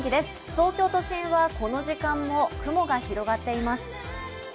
東京都心はこの時間も雲が広がっています。